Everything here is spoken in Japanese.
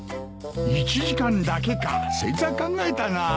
１時間だけかそいつは考えたな。